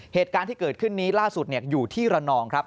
เหตุการณ์ที่เกิดขึ้นนี้ล่าสุดอยู่ที่ระนองครับ